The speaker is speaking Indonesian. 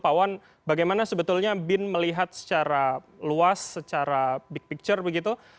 pak wan bagaimana sebetulnya bin melihat secara luas secara big picture begitu